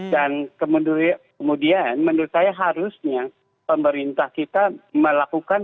dan kemudian menurut saya harusnya pemerintah kita melakukan